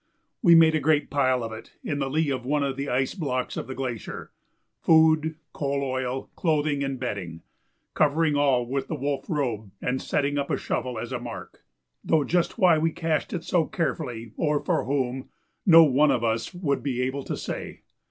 We made a great pile of it in the lee of one of the ice blocks of the glacier food, coal oil, clothing, and bedding covering all with the wolf robe and setting up a shovel as a mark; though just why we cached it so carefully, or for whom, no one of us would be able to say.